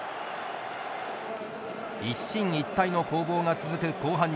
一進一退の攻防が続く後半。